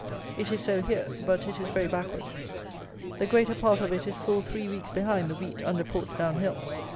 It is so here; but it is very backward. The greater part of it is full three weeks behind the wheat under Portsdown Hill.